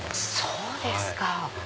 そうですか。